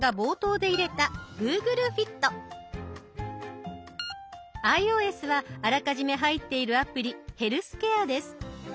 ｉＯＳはあらかじめ入っているアプリ「ヘルスケア」です。